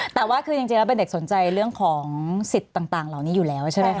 แต่ว่าคือจริงแล้วเป็นเด็กสนใจเรื่องของสิทธิ์ต่างเหล่านี้อยู่แล้วใช่ไหมคะ